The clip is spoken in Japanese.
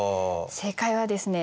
正解はですね